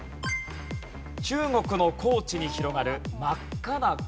中国の高地に広がる真っ赤な光景。